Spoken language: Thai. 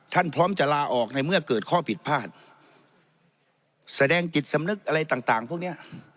พร้อมจะลาออกในเมื่อเกิดข้อผิดพลาดแสดงจิตสำนึกอะไรต่างต่างพวกเนี้ย